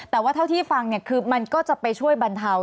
แต่ว่าเท่าที่ฟังคือมันก็จะไปช่วยบรรเทา